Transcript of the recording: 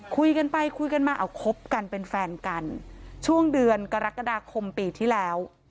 คุยกันไปคุยกันมาเอาคบกันเป็นแฟนกันช่วงเดือนกรกฎาคมปีที่แล้ว